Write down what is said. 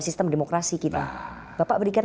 sistem demokrasi kita bapak berikan